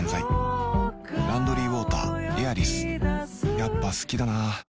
やっぱ好きだな